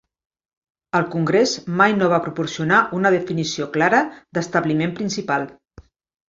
El Congrés mai no va proporcionar una definició clara d'establiment principal.